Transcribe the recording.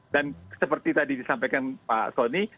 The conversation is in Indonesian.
dan seperti tadi disampaikan pak soni